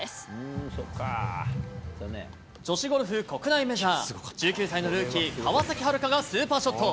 女子ゴルフ国内メジャー、１９歳のルーキー、川崎春花がスーパーショット。